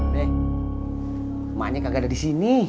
deh emaknya kagak ada di sini